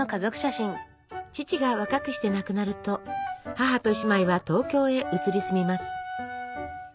父が若くして亡くなると母と姉妹は東京へ移り住みます。